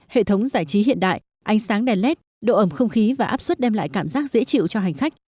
hệ thống giải trí hiện đại ánh sáng đèn led độ ẩm không khí và áp suất đem lại cảm giác dễ chịu cho hành khách